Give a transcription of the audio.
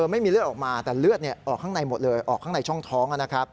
แต่เลือดออกข้างในหมดเลยออกข้างในช่องท้อง